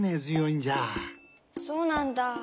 そうなんだ。